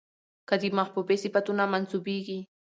که د محبوبې صفتونه منسوبېږي،